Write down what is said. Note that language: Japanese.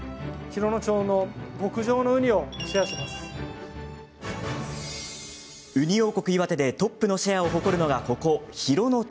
ウニ王国・岩手でトップのシェアを誇るのがここ、洋野町。